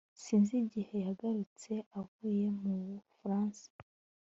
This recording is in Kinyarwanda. Sinzi igihe yagarutse avuye mu Bufaransa